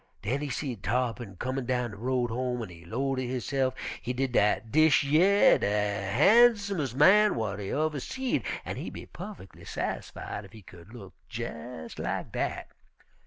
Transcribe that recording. Den he seed Tarr'pin comin' down de road home, an' he 'low ter hisse'f, he did, dat dish yer de harnsumes' man w'at he uver seed, an' he be puffickly sassified ef he cu'd look jes' lak dat.